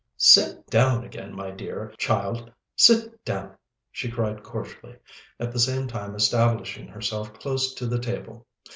"Sit down again, my dear child sit down!" she cried cordially, at the same time establishing herself close to the table.